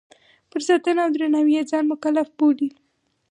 پر ساتنه او درناوي یې ځان مکلف بولي.